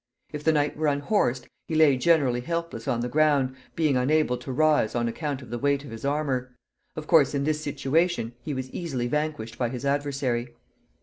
If a knight were unhorsed, he lay generally helpless on the ground, being unable to rise on account of the weight of his armor. Of course, in this situation he was easily vanquished by his adversary.